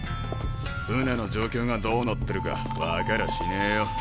船の状況がどうなってるか分かりゃしねえよ。